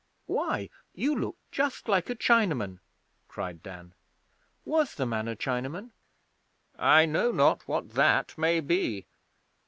'Why, you look just like a Chinaman!' cried Dan. 'Was the man a Chinaman?' 'I know not what that may be.